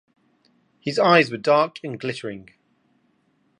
His eyes were dark and glittering.